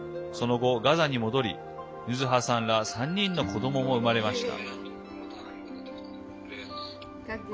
その後ガザに戻り、ヌズハさんら３人の子どもも生まれました。